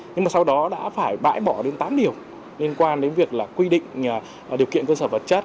nhưng mà sau đó đã phải bãi bỏ đến tám điều liên quan đến việc là quy định điều kiện cơ sở vật chất